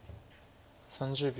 ３０秒。